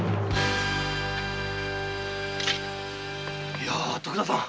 いやあ徳田さん